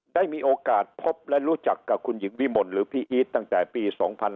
ได้มีโอกาสพบและรู้จักกับคุณหญิงวิมลหรือพี่อีทตั้งแต่ปี๒๕๕๙